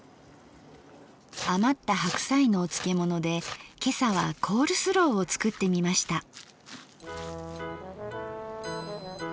余った白菜のお漬物で今朝はコールスローを作ってみました。